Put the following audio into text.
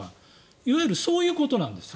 いわゆるそういうことなんですよ。